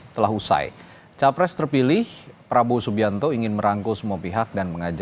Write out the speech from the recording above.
tim liputan kompas tv